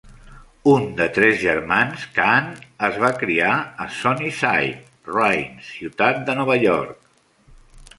Un de tres germans, Caan es va criar a Sunnyside, Reines, ciutat de Nova York.